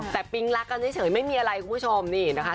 แต่ปิ๊งรักกันเฉยไม่มีอะไรคุณผู้ชมนี่นะคะ